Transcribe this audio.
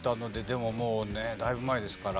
でももうねだいぶ前ですから。